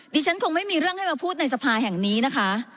ดิฉันคงไม่มีเรื่องให้มาพูดในสภาแห่งนี้นะคะ